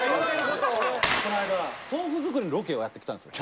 この間豆腐作りのロケをやってきたんです。